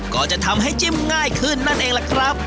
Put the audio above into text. ก็จะทำให้จิ้มง่ายขึ้นนั่นเองล่ะครับ